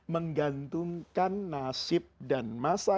menggantungkan nasib dan masa